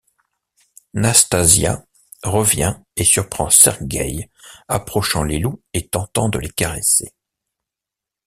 Nastazya revient et surprend Sergueï approchant les loups et tentant de les caresser.